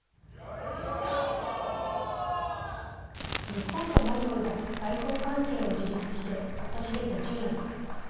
日本とモンゴルが外交関係が樹立して今年で５０年。